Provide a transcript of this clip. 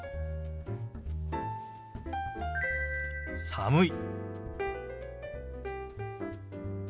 「寒い」。